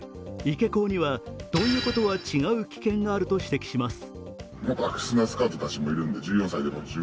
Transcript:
池公には、ドン横とは違う危険があると指摘します。